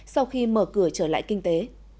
sau khi mở cửa trở lại kinh tế